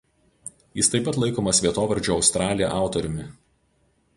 Jis taip pat laikomas vietovardžio „Australija“ autoriumi.